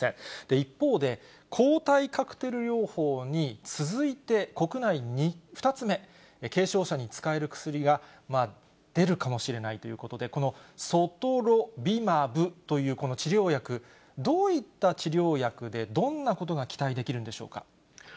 一方で、抗体カクテル療法に続いて、国内２つ目、軽症者に使える薬が出るかもしれないということで、このソトロビマブというこの治療薬、どういった治療薬で、どんなことが期待できるんでしょうか。